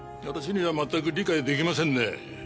私には全く理解できませんね。